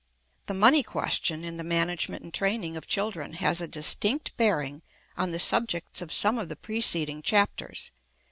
The money question in the management and training of children has a distinct bearing on the subjects of some of the preceding chapters.